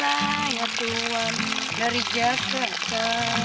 alayat tuhan dari jakarta